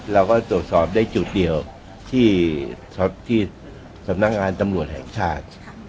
เราก็ตรวจสอบได้จุดเดียวที่สำนักงานตำรวจแห่งชาติ